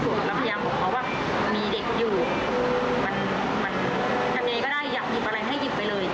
ประมาณชั่วโมงกว่าค่ะได้คุยกันจริงจากประมาณชั่วโมงนึง